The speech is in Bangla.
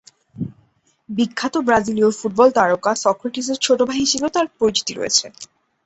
বিখ্যাত ব্রাজিলীয় ফুটবল তারকা সক্রেটিসের ছোট ভাই হিসেবেও তার পরিচিতি রয়েছে।